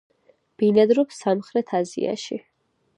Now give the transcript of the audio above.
ბინადრობს სამხრეთ აზიაში.